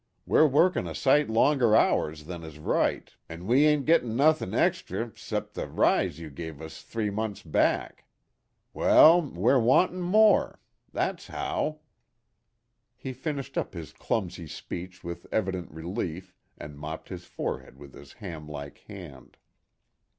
We're workin' a sight longer hours than is right, an' we ain't gettin' nuthin' extry 'cep' the rise you give us three months back. Wal, we're wantin' more. That's how." He finished up his clumsy speech with evident relief, and mopped his forehead with his ham like hand.